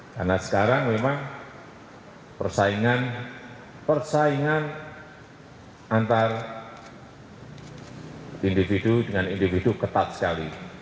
karena sekarang memang persaingan antar individu dengan individu ketat sekali